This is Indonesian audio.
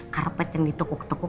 karpet yang ditukuk tukuk